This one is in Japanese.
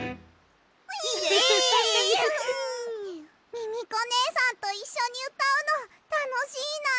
ミミコねえさんといっしょにうたうのたのしいな。